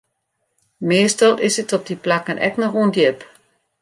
Meastal is it op dy plakken ek noch ûndjip.